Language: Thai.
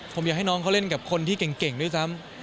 ผมอยากให้น้องเขาเล่นกับคนที่เก่งด้วยซ้ำ